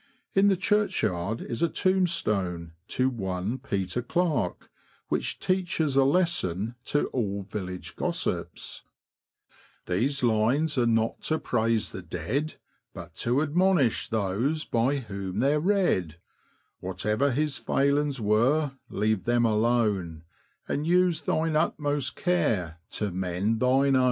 In the churchyard is a tombstone to one Peter Clarke, which teaches a lesson to all village gossips :— These lines are not to praise the dead, But to admonish those by whom they're read ; Whatever his faihngs were, leave them alon^, And use thine utmost care to mend thine own.